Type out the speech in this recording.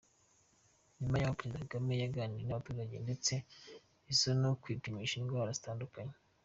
Nyuma y’aho Perezida Kagame yaganiriye n'abaturage ndetse aza no kwipimisha indwara zitandura.